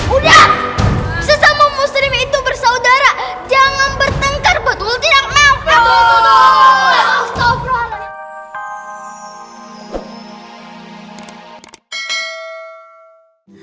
udah muslim itu bersaudara jangan bertengkar betul tidak maaf